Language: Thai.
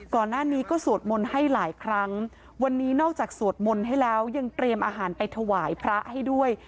ก่อนหน้านี้ก็สวดมนต์ให้หลายครั้งวันนี้นอกจากสวดมนต์ให้แล้วยังเตรียมอาหารไปถวายพระให้ด้วย